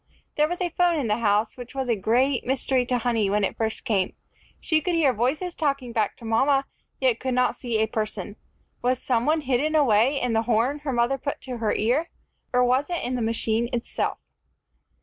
There was a phone in the house, which was a great mystery to Honey when it first came. She could hear voices talking back to mama, yet could not see a person. Was some one hidden away in the horn her mother put to her ear, or was it in the machine itself?